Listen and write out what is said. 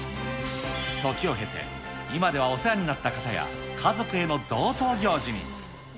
時を経て、今ではお世話になった方や、家族への贈答行事に。